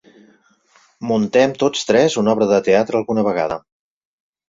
Muntem tots tres una obra de teatre alguna vegada.